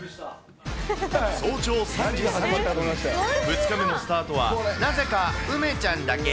早朝３時３０分、２日目のスタートはなぜか梅ちゃんだけ。